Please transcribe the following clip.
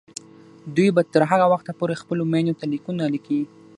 دوی به تر هغه وخته پورې خپلو میندو ته لیکونه لیکي.